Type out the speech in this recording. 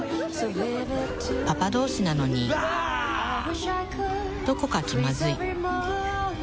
パパ同士なのに、どこか気まずい。